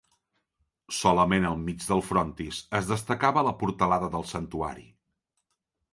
Solament al mig del frontis es destacava la portalada del santuari